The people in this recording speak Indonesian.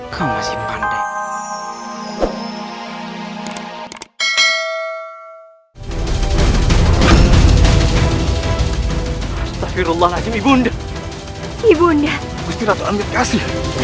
kau masih pandai